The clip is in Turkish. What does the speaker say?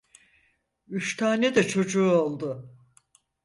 Üç tane de çocuğu oldu.